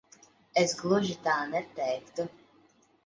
Es gluži tā neteiktu.